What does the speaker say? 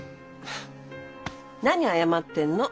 何謝ってんの。